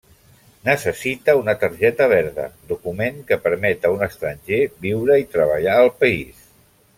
Necessita una targeta verda, document que permet a un estranger viure i treballar al país.